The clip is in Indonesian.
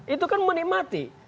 itu kan menikmati